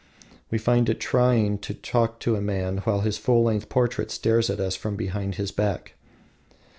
We find it trying to talk to a man while his full length portrait stares at us from behind his back.